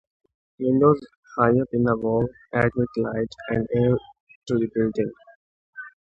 Windows high up in the wall admit light and air to the building.